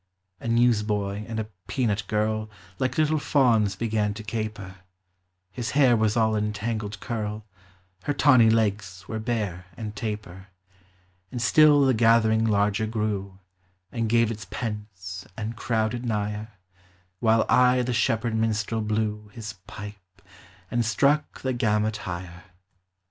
A newsboy and a peanut girl Like little Fauns began to caper : His hair was all in tangled enrl, Her tawny Legs were bare and taper; And still the gathering larger grew, And gave its pence and crowded nigher, While aye the Bhepherd minstrel blew His pipe, and struck the gamut higher.